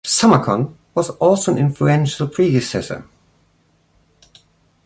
Summercon was also an influential predecessor.